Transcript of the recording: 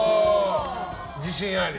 自信あり？